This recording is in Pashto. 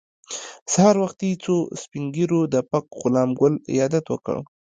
سهار وختي څو سپین ږیرو د پک غلام ګل عیادت وکړ.